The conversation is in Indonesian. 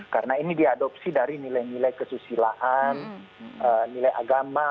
karena ini diadopsi dari nilai nilai kesusilaan nilai agama